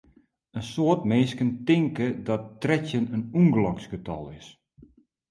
In soad minsken tinke dat trettjin in ûngeloksgetal is.